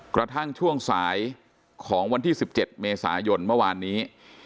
กระทั่งช่วงสายของวันที่๑๗เมษายนเมื่อวานนี้